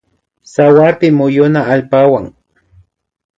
Tsawarpi muyuna allpawan